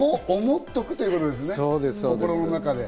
そこを思っておくということですね、心の中で。